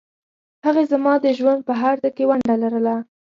هغې زما د ژوند په هرڅه کې ونډه لرله